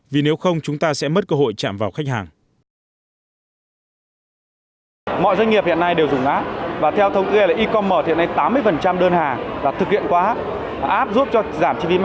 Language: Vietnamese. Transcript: vì nếu không chúng ta sẽ mất cơ hội chạm vào khách hàng